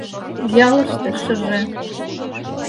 Ялыште шыже